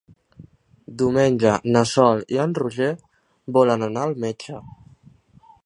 Diumenge na Sol i en Roger volen anar al metge.